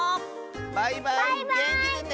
バイバイげんきでね！